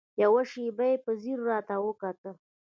يوه شېبه يې په ځير راته وکتل.